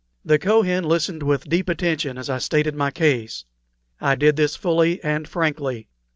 The Kohen listened with deep attention as I stated my case. I did this fully and frankly.